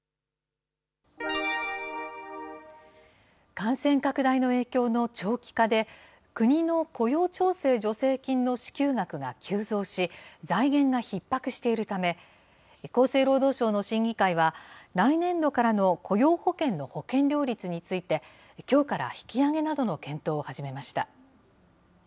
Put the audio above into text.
感染拡大の影響の長期化で、国の雇用調整助成金の支給額が急増し、財源がひっ迫しているため、厚生労働省の審議会は、来年度からの雇用保険の保険料率について、きょうから引き上げなどの検討を始めました。